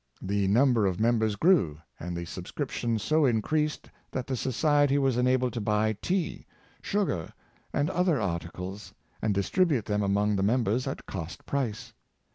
The number of members grew, and the sub scription so increased that the society was enabled to buy tea, sugar, and other articles, and distribute them among the members at cost price.